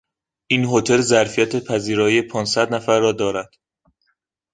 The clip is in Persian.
این هتل ظرفیت پذیرایی پانصد نفر را دارد.